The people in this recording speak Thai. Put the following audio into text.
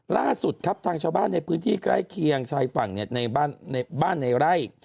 ล่าสุดครับทางชาวบ้านในพื้นที่ใกล้เคียงชายฝั่งในบ้านในไร่